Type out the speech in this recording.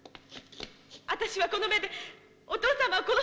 私はこの目でお父様を殺すところを！